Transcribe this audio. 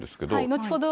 後ほど